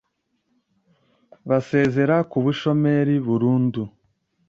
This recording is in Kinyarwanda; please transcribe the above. basezera ku bushomeri burundu.